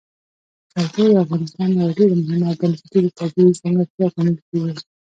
کلتور د افغانستان یوه ډېره مهمه او بنسټیزه طبیعي ځانګړتیا ګڼل کېږي.